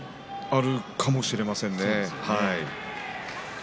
あるかもしれませんね。